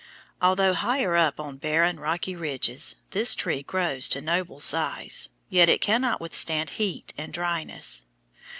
Although higher up, on barren, rocky ridges, this tree grows to noble size, yet it cannot withstand heat and dryness.